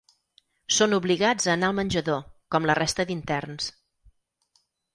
Són obligats a anar al menjador, com la resta d’interns.